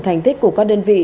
thành tích của các đơn vị